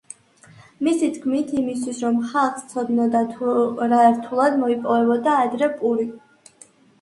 მისი თქმით, იმისთვის, რომ ხალხს სცოდნოდა თუ რა რთულად მოიპოვებოდა ადრე პური.